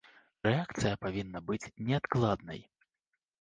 Рэакцыя павінна быць неадкладнай.